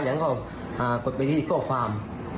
ยังก็กดไปที่ข้อความ